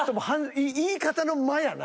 言い方の間やな。